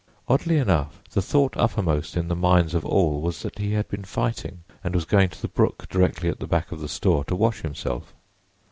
Oddly enough, the thought uppermost in the minds of all was that he had been fighting and was going to the brook directly at the back of the store, to wash himself.